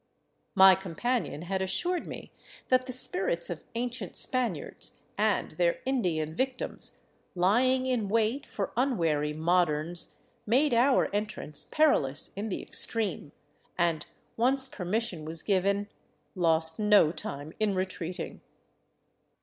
My companion had assured me that the spirits of ancient Spaniards and their Indian vic tims, lying in wait for unwary moderns, made our entrance perilous in the extreme, and, once permission was given, lost no time in retreat ing.